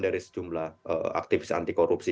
dari sejumlah aktivis anti korupsi